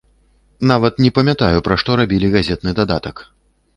Нават не памятаю, пра што рабілі газетны дадатак.